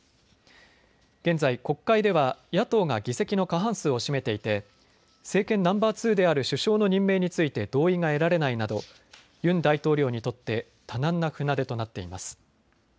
現在、国会では野党が議席の過半数を占めていて政権ナンバー２である首相の任命について同意が得られないなどユン大統領にとって多難な船出となっています。